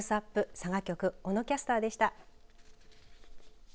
佐賀局、小野キャスターでした。